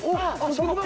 職場。